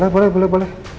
boleh boleh boleh